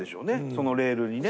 そのレールにね。